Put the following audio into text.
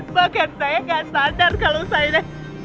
bahkan saya nggak sadar kalau saya